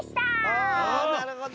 ああなるほど。